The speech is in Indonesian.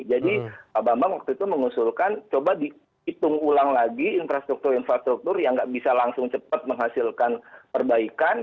jadi pak bambang waktu itu mengusulkan coba dihitung ulang lagi infrastruktur infrastruktur yang nggak bisa langsung cepat menghasilkan perbaikan